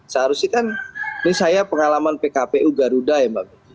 seharusnya kan ini saya pengalaman pkpu garuda ya mbak putri